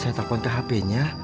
saya telfon ke hp nya